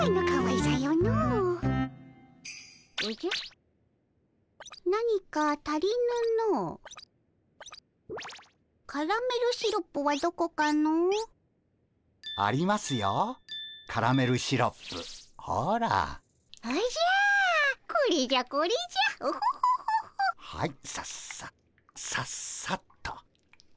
さっさっさっさっと。